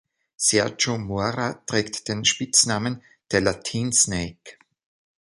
Sergio Mora trägt den Spitznamen „The Latin Snake“.